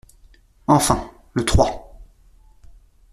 Enfin, le trois.